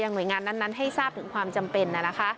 หน่วยงานนั้นให้ทราบถึงความจำเป็น